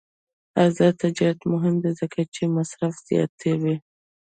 آزاد تجارت مهم دی ځکه چې مصرف زیاتوي.